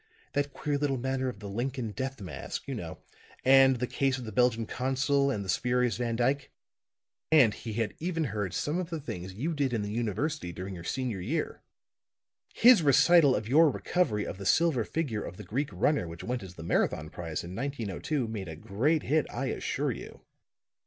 That queer little matter of the Lincoln death mask, you know, and the case of the Belgian Consul and the spurious Van Dyke. And he had even heard some of the things you did in the university during your senior year. His recital of your recovery of the silver figure of the Greek runner which went as the Marathon prize in 1902 made a great hit, I assure you.